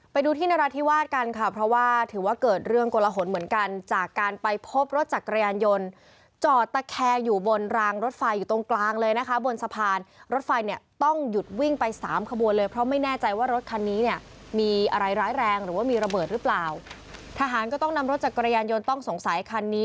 ไปดูที่นราธิวาสกันค่ะเพราะว่าถือว่าเกิดเรื่องกลหนเหมือนกันจากการไปพบรถจักรยานยนต์จอดตะแคร์อยู่บนรางรถไฟอยู่ตรงกลางเลยนะคะบนสะพานรถไฟเนี่ยต้องหยุดวิ่งไปสามขบวนเลยเพราะไม่แน่ใจว่ารถคันนี้เนี่ยมีอะไรร้ายแรงหรือว่ามีระเบิดหรือเปล่าทหารก็ต้องนำรถจักรยานยนต์ต้องสงสัยคันนี้